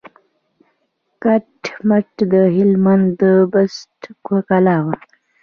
کټ مټ د هلمند د بست کلا وه.